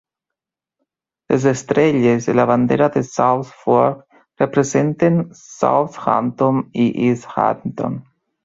Les estrelles en la bandera de South Fork representen Southampton i East Hampton.